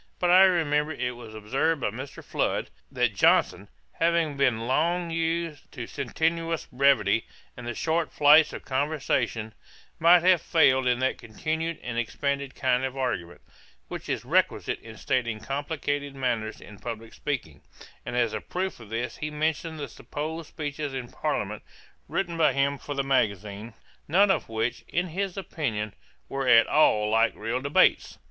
But I remember it was observed by Mr. Flood, that Johnson, having been long used to sententious brevity and the short flights of conversation, might have failed in that continued and expanded kind of argument, which is requisite in stating complicated matters in publick speaking; and as a proof of this he mentioned the supposed speeches in Parliament written by him for the magazine, none of which, in his opinion, were at all like real debates.